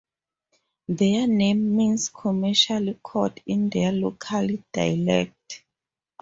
Their name means 'commercial court' in their local dialect.